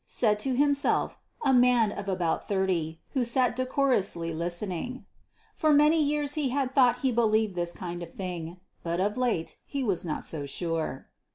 said to himself a man of about thirty, who sat decorously listening. For many years he had thought he believed this kind of thing but of late he was not so sure.